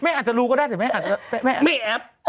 แม่อาจจะรู้ก็ได้เหตุว่าแม่อาจจะ